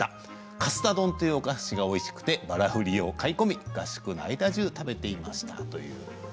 「かすたどん」というお菓子がおいしくて、バラ売りを買い込み合宿中、食べていました。